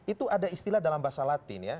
itu ada istilah dalam bahasa latin ya